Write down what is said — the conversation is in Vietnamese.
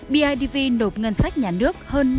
bidv nộp ngân sách nhà nước hơn năm tỷ đồng